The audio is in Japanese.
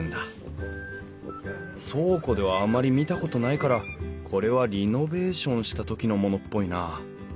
倉庫ではあまり見たことないからこれはリノベーションした時のものっぽいな。